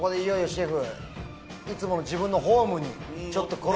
シェフ。